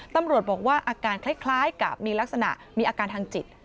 ตำรวจบอกว่าอาการคล้ายกับมีลักษณะมีอาการทางจิต